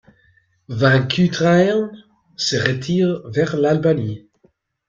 Vaincu Trahern se retire vers l'Albanie.